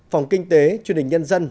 phòng kinh tế chương trình nhân dân